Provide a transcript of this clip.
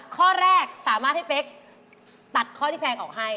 ข้อแรกสามารถให้เป๊กตัดข้อที่แพงออกให้